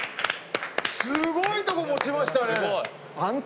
すごいとこ持ちましたね。